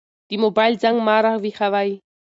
د موبايل زنګ ما راويښوي.